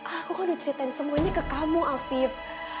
aku mau ceritain semuanya ke kamu afif